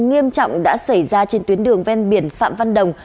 nghiêm trọng đã xảy ra trên tuyến đường ven biển phạm văn đồng